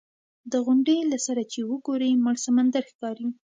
د غونډۍ له سره چې وګورې مړ سمندر ښکاري.